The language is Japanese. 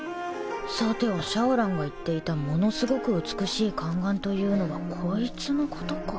さては小蘭が言っていたものすごく美しい宦官というのはこいつのことか